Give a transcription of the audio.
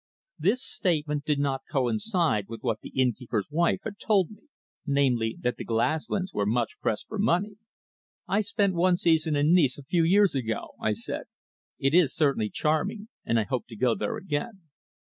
This statement did not coincide with what the innkeeper's wife had told me, namely, that the Glaslyns were much pressed for money. "I spent one season in Nice a few years ago," I said. "It is certainly charming, and I hope to go there again."